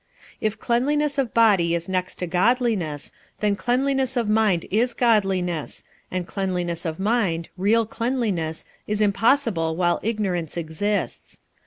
If cleanliness of body is next to godliness, then cleanliness of mind is godliness, and cleanliness of mind, real cleanliness, is impossible while ignorance exists.